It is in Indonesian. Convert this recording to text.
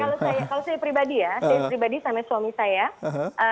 kalau saya pribadi ya saya pribadi sama suami saya